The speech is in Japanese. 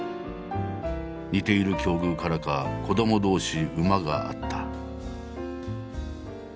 似ている境遇からか子ども同士馬が合った。